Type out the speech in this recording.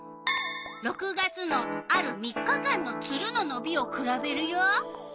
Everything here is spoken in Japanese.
６月のある３日間のツルののびをくらべるよ。